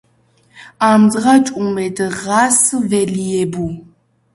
ამდღა-ჭუმე დღას ველიებუ